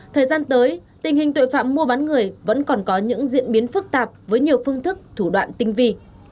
thời gian tới tình hình tội phạm mua bán người vẫn còn có những diễn biến phức tạp với nhiều phương thức thủ đoạn tinh vi